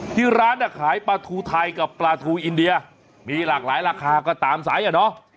ที่ร้านขายปลาทูไทยกับปลาทูอินเดียมีหลากหลายราคาก็ตามสายอ่ะเนอะ